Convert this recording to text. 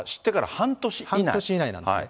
半年以内なんですね。